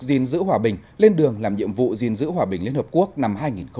diên giữ hòa bình lên đường làm nhiệm vụ diên giữ hòa bình liên hợp quốc năm hai nghìn một mươi chín